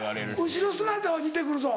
後ろ姿は似て来るぞ。